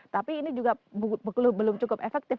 tapi ini juga belum cukup efektif